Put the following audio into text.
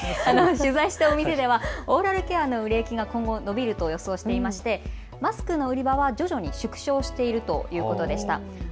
取材したお店ではオーラルケアの売れ行きが今後、伸びると予想していましてマスクの売り場は徐々に縮小しているということでした。